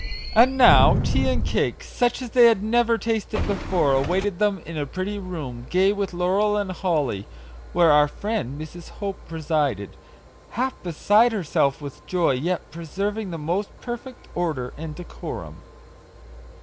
And now tea and cake, such as they had never tasted before, awaited them in a pretty room, gay with laurel and holly, where our friend Mrs. Hope presided, half beside herself with joy, yet preserving the most perfect order and decorum.